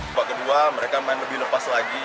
babak kedua mereka main lebih lepas lagi